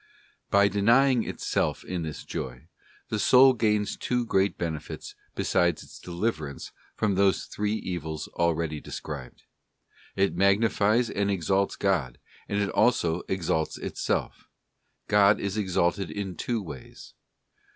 By denying itself in this joy, the soul gains two great benefits beside its deliverance from those three evils already described. It magnifies and exalts God, and it also exalts itself. God is exalted in two ways.